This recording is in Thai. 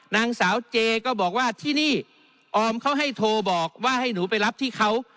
นางสาวเจก็บอกว่าที่นี่ออมเขาให้โทรบอกว่าให้หนูไปรับที่เขา